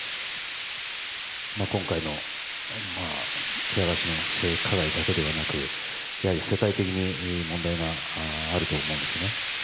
今回の喜多川氏の性加害だけではなく世界的に問題があると思うんです。